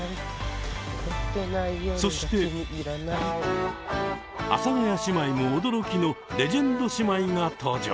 そして阿佐ヶ谷姉妹も驚きのレジェンド姉妹が登場。